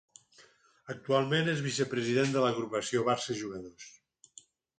Actualment és vicepresident de l'Agrupació Barça Jugadors.